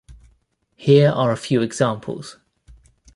Here are a few examples.